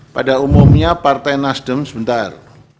pada umumnya partai nasdem sebentar